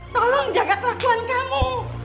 tolong jaga kelakuan kamu